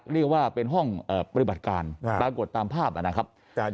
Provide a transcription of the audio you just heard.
เรียกว่าเป็นห้องปฏิบัติการปรากฏตามภาพนะครับ